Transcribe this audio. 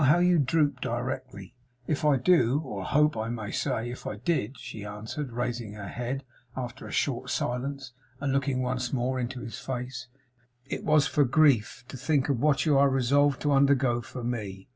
How you droop directly!' 'If I do, or, I hope I may say, if I did,' she answered, raising her head after a short silence, and looking once more into his face, 'it was for grief to think of what you are resolved to undergo for me.